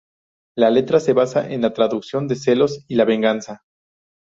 La letra se basa en la traición, los celos y la venganza.